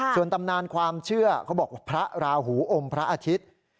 ส่วนตำนานความเชื่อเขาบอกว่าพระราหูอมพระอาทิตย์